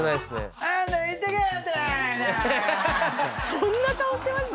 そんな顔してました